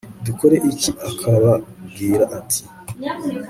dukore iki akababwira ati